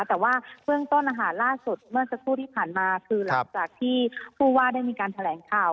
แต่ว่าเบื้องต้นล่าสุดเมื่อสักครู่ที่ผ่านมาคือหลังจากที่ผู้ว่าได้มีการแถลงข่าว